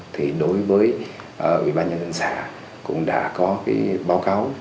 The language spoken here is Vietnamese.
thì đối với ủy ban nhân dân xã cũng đã có cái báo cáo